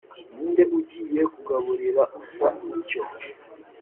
ni nde ugiye kugaburira usa utyo?